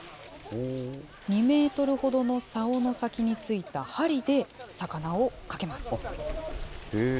２メートルほどのさおの先についた針で魚をかけます。